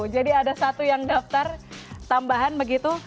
jadi ada satu yang daftar tambahan begitu